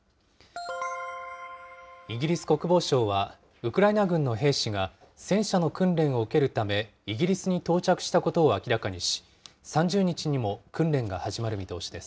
イギリス国防省はウクライナ軍の兵士が、戦車の訓練を受けるため、イギリスに到着したことを明らかにし、３０日にも訓練が始まる見通しです。